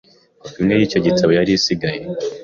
kopi imwe y’icyo gitabo yari isigaye